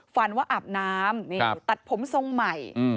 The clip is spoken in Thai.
ฝันว่าอาบน้ำตัดผมทรงใหม่